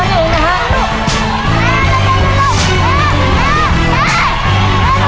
มึงทุกนั้นเองนะฮะ